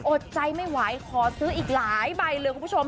อดใจไม่ไหวขอซื้ออีกหลายใบเลยคุณผู้ชม